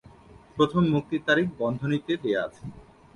প্রথম মুক্তির তারিখ বন্ধনীতে দেয়া আছে।